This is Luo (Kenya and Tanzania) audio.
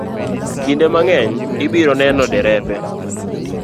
Kinde mang'eny, ibiro neno derepe